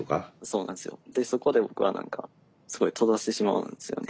でそこで僕は何かすごい閉ざしてしまうんですよね。